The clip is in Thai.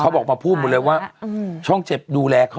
เขาบอกมาพูดหมดเลยว่า